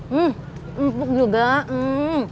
hmm empuk juga hmm